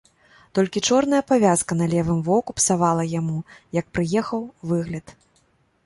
Толькі чорная павязка на левым воку псавала яму, як прыехаў, выгляд.